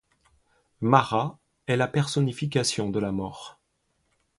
Māra est la personnification de la mort.